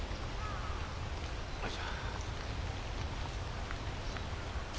おいしょ。